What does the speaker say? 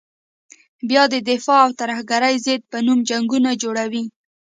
بیا د دفاع او ترهګرې ضد په نوم جنګونه جوړوي.